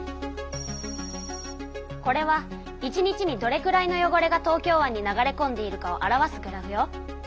これは１日にどれくらいの汚れが東京湾に流れこんでいるかを表すグラフよ。